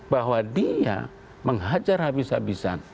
bahwa dia menghajar habis habisan